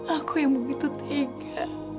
aku yang begitu tega